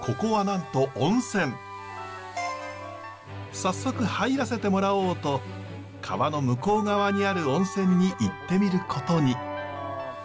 早速入らせてもらおうと川の向こう側にある温泉に行ってみることに。